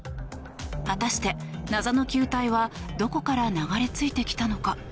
果たして、謎の球体はどこから流れ着いてきたのか。